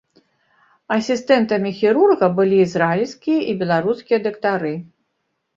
Асістэнтамі хірурга былі ізраільскія і беларускія дактары.